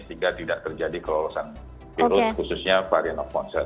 sehingga tidak terjadi kelolosan virus khususnya varian of concern